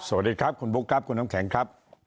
สวัสดีครับคุณบุ๊คครับคุณน้ำแข็งครับ